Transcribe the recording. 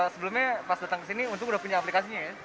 sebelumnya pas datang ke sini untuk udah punya aplikasinya ya